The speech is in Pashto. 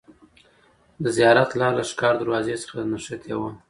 د زیارت لار له ښکار دروازې څخه نښتې وه.